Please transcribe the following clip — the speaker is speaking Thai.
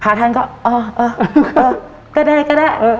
พระท่านก็อ๋ออ๋ออ๋อก็ได้ก็ได้อ๋ออ๋อ